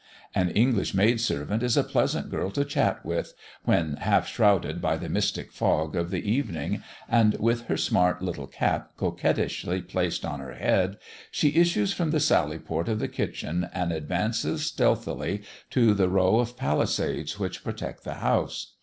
An English maid servant is a pleasant girl to chat with, when half shrouded by the mystic fog of the evening and with her smart little cap coquettishly placed on her head, she issues from the sallyport of the kitchen, and advances stealthily to the row of palisades which protect the house.